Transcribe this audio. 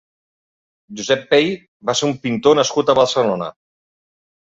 Josep Pey va ser un pintor nascut a Barcelona.